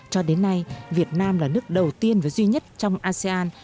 cho đến nay việt nam là nước đầu tiên và duy nhất trong asean